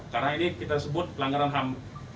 karena ini kita sebut pelanggaran ham